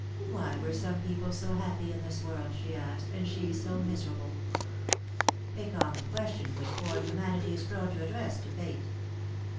Why were some people so happy in this world, she asked, and she so miserable ? A common question which poor humanity is prone to address to Fate.